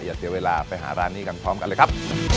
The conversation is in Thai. อย่าเสียเวลาไปหาร้านนี้กันพร้อมกันเลยครับ